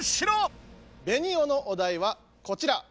ベニオのお題はこちら。